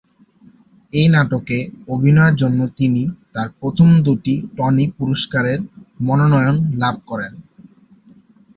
এই নাটকে অভিনয়ের জন্য তিনি তার প্রথম দুটি টনি পুরস্কারের মনোনয়ন লাভ করেন।